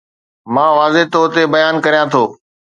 مان واضح طور تي بيان ڪريان ٿو